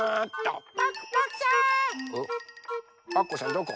どこ？